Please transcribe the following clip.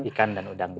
ikan dan udangnya